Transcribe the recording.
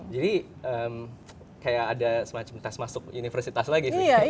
jadi kayak ada semacam tes masuk universitas lagi sih